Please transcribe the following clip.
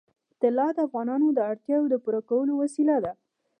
طلا د افغانانو د اړتیاوو د پوره کولو وسیله ده.